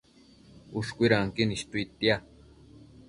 Ushcuidanquin istuidtia